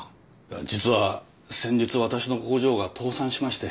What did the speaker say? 実は先日わたしの工場が倒産しまして。